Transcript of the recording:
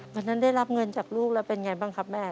วันนั้นได้รับเงินจากลูกแล้วเป็นไงบ้างครับแม่